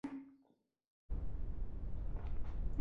— Nimaga iloji yo‘q ekan?